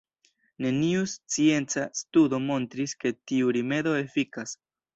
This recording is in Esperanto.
Neniu scienca studo montris ke tiu rimedo efikas.